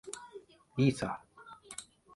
いいさ。